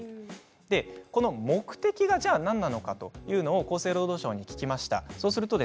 では、この目的が何なのかというのを厚生労働省に聞きました。